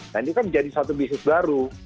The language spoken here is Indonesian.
nah ini kan jadi satu bisnis baru